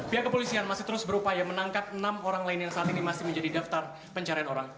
pihak kepolisian masih terus berupaya menangkap enam orang lain yang saat ini masih menjadi daftar pencarian orang